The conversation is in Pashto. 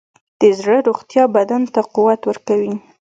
د زړه روغتیا بدن ته قوت ورکوي.